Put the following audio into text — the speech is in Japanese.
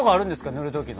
塗る時の。